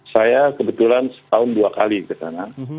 saya kebetulan setahun dua kali ke sana